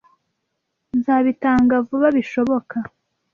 Nzabitanga vuba bishoboka.